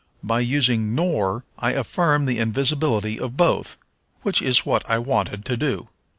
By using nor, I affirm the invisibility of both, which is what I wanted to do.